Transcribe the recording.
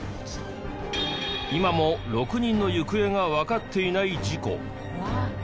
今も６人の行方がわかっていない事故。